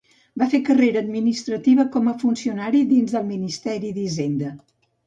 Va fer carrera administrativa com a funcionari dins del Ministeri d'Hisenda.